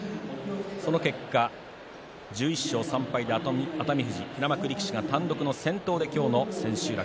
その結果、１１勝３敗で熱海富士平幕力士が単独の先頭で今日の千秋楽。